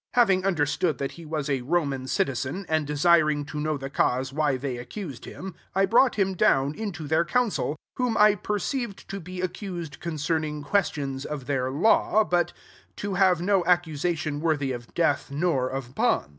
Hav ing understood that he was a Roman citizen^ 98 and desiring to know the cause why ' they accused him, I brought him down into their council: 29 whom I perceived to be accus cd concerning questions of their law ; but to have no accusation worthy of death, nor of bonds.